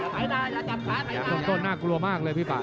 ภายในต้นน่ากลัวมากเลยพี่ป่า